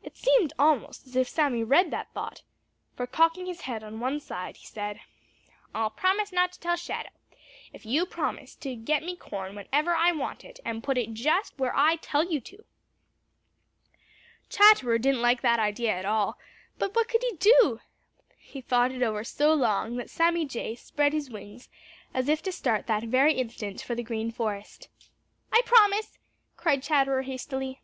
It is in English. It seemed almost as if Sammy read that thought, for cocking his head on one side, he said: "I'll promise not to tell Shadow, if you'll promise to get me corn whenever I want it and put it just where I tell you to." Chatterer didn't like that idea at all, but what could he do? He thought it over so long that Sammy Jay spread his wings as if to start that very instant for the Green Forest. "I promise!" cried Chatterer hastily.